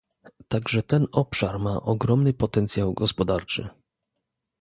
Także ten obszar ma ogromny potencjał gospodarczy